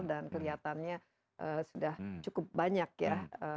dan kelihatannya sudah cukup banyak ya